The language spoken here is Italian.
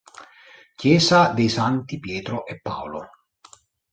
Chiesa dei Santi Pietro e Paolo